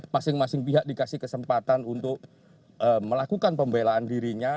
masing masing pihak dikasih kesempatan untuk melakukan pembelaan dirinya